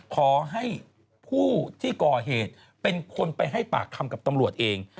ขอให้ผู้ที่ก่อเหตุเป็นคนไปให้ปากคำกับตำรวจเอง